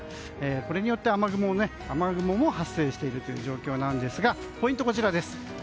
これによって雨雲も発生している状況ですがポイントはこちら。